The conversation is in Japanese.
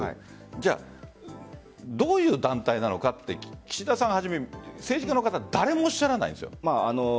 じゃあどういう団体なのかと岸田さんをはじめ政治家の方誰もおっしゃらないんです。